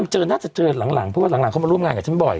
เจอน่าจะเจอหลังเพราะว่าหลังเขามาร่วมงานกับฉันบ่อย